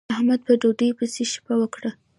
احمد په ډوډۍ پسې شپه وکړه.